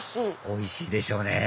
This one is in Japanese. おいしいでしょうね